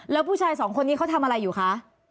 แล้วผู้ชายสองคนนี้เขาทำอะไรอยู่คะ